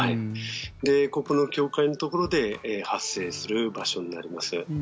ここの境界のところで発生する場所になります。